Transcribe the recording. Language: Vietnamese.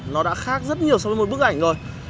nó đã khác rất nhiều so với một bức ảnh rồi